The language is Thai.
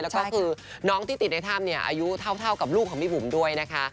แล้วก็คือน้องที่ติดในถ้ำเนี่ยอายุเท่ากับลูกของพี่บุ๋มด้วยนะคะ